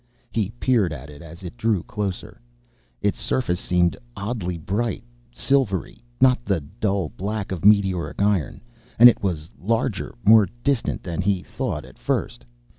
He peered at it, as it drew closer. Its surface seemed oddly bright, silvery. Not the dull black of meteoric iron. And it was larger, more distant, than he had thought at first.